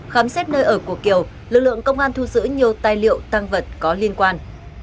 khám xét nơi ở của kiều lực lượng công an thu giữ nhiều tài liệu tăng vật có liên quan